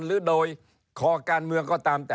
หรือโดยขอการเมือง